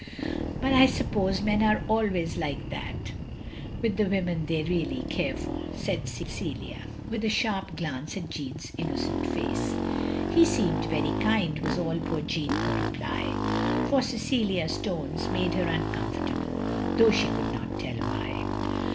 But I suppose men are always like that with the women they really care for, " said Cecilia, with a sharp glance at Jeanne's innocent face. "He seemed very kind," was all poor Jeanne could reply; for Cecilia's tones made her tincom fortable, though she could not tell why.